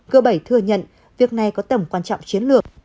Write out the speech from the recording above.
g bảy thừa nhận việc này có tầm quan trọng chiến lược